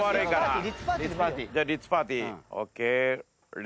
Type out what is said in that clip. ＯＫリッツパーティー。